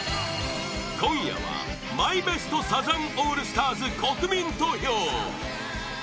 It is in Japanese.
今夜は、マイベストサザンオールスターズ国民投票